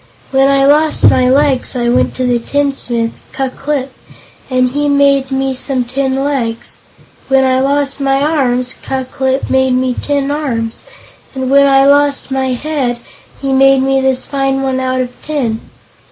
When I lost my legs I went to the tinsmith, Ku Klip, and he made me some tin legs. When I lost my arms, Ku Klip made me tin arms, and when I lost my head he made me this fine one out of tin.